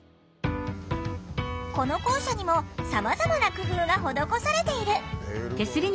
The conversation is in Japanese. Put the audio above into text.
この校舎にもさまざまな工夫が施されている。